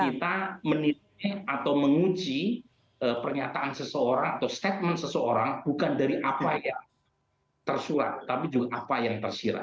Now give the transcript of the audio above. kita menilai atau menguji pernyataan seseorang atau statement seseorang bukan dari apa yang tersurat tapi juga apa yang tersirat